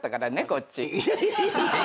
こっち。